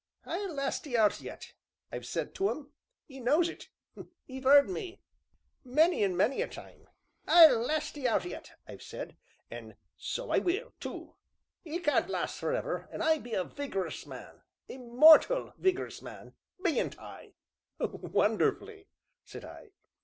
I'll last 'ee out yet,' I've said to un 'e knows it 'e 've heerd me many an' many a time. 'I'll last 'ee out yet!' I've said, an' so I will, to 'e can't last forever an' I be a vig'rus man a mortal vig'rus man bean't I?" "Wonderfully!" said I.